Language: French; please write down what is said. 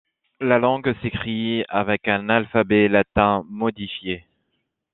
La langue s'écrit avec un alphabet latin modifié.